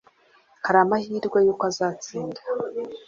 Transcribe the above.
Hariho amahirwe yuko azatsinda.